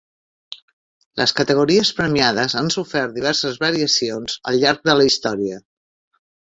Les categories premiades han sofert diverses variacions al llarg de la història.